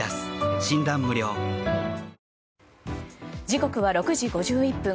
時刻は６時５１分。